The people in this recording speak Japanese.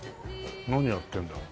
何やってんだろう？